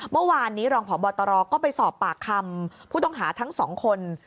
เมื่อวานนี้รองพบตรก็ไปสอบปากคำผู้ต้องหาทั้งสองคน